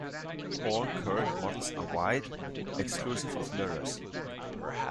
All current models are wide, exclusive of mirrors.